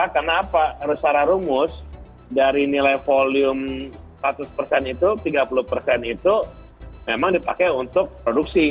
karena apa secara rumus dari nilai volume seratus persen itu tiga puluh persen itu memang dipakai untuk produksi